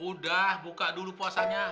udah buka dulu puasanya